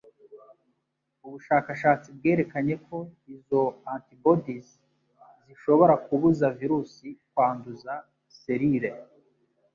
ubushakashatsi bwerekanye ko izo antibodies zishobora kubuza virusi kwanduza selile